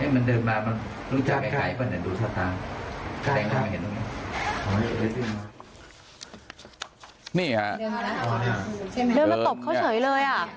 มันเดินมารู้จักไกลป่ะเดินมาตบเขาเฉยเลย